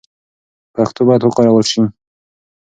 پښتو باید وکارول سي.